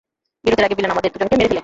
বিরতির আগে ভিলেন আমাদের দুজনকে মেরে ফেলে।